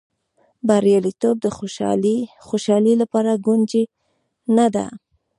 بریالیتوب د خوشالۍ لپاره کونجي نه ده.